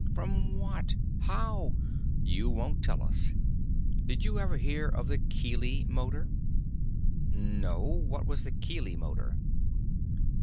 From what? How? You won't tell us. Did you ever hear of the Keely Motor?" "No. What was the Keely Motor?"